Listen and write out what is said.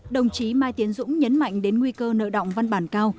đồng chí mai tiến dũng nhấn mạnh đến nguy cơ nợ động văn bản cao